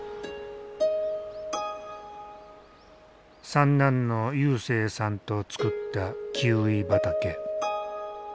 三男の勇征さんと作ったキウイ畑。